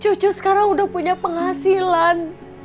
cucu sekarang udah punya penghasilan